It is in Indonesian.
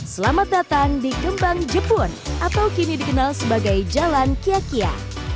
selamat datang di kembang jepun atau kini dikenal sebagai jalan kiyakia